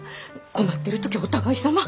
困ってる時はお互いさま。